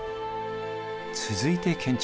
続いて建築。